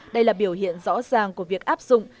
đây là biểu hiện rõ ràng của việc áp dụng